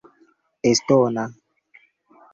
estona